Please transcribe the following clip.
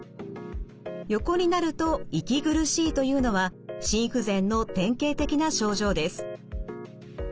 横になると息苦しいというのは心不全の典型的な症状です。